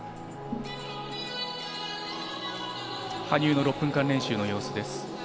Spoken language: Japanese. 羽生の６分間練習の様子です。